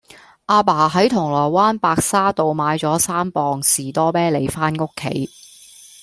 亞爸喺銅鑼灣白沙道買左三磅士多啤梨返屋企